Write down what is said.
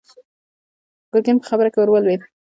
ګرګين په خبره کې ور ولوېد.